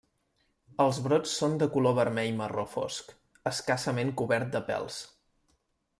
Els brots són de color vermell marró fosc, escassament cobert de pèls.